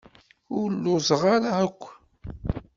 Ur lluẓeɣ ara akk.